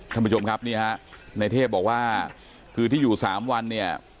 ท่านผู้ชมครับนี่ฮะในเทพบอกว่าคือที่อยู่สามวันเนี่ย